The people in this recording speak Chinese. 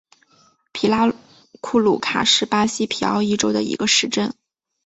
皮拉库鲁卡是巴西皮奥伊州的一个市镇。